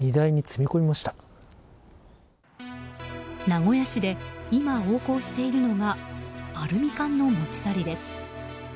名古屋市で今横行しているのがアルミ缶の持ち去りです。